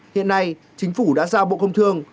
hiện nay chính phủ đã giao bộ công thương